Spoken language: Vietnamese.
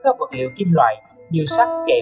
để hút các vật liệu kim loại để hút các vật liệu kim loại